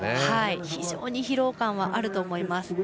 非常に疲労感はあると思います。